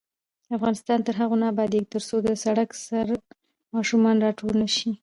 افغانستان تر هغو نه ابادیږي، ترڅو د سړک سر ماشومان راټول نشي.